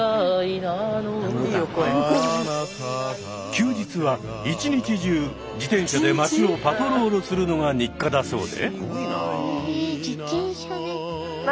休日は一日中自転車で街をパトロールするのが日課だそうで。